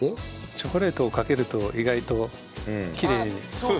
チョコレートをかけると意外ときれいに見えますよね。